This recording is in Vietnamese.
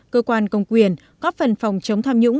cơ quan công quyền góp phần phòng chống tham nhũng